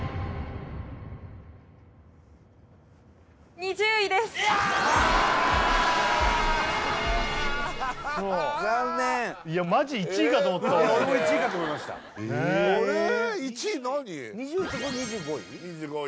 ２０位と２５位？